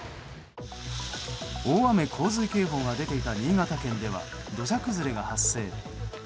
大雨・洪水警報が出ていた新潟県では土砂崩れが発生。